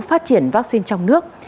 phát triển vaccine trong nước